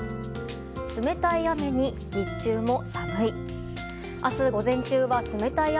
冷たい雨に、日中も寒い。